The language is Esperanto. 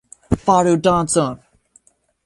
Faru dancon